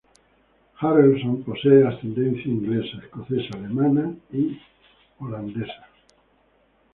Harrelson posee ascendencia inglesa, escocesa, alemana y holandesa.